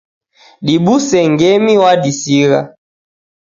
Dibuse ngemi w'adisigha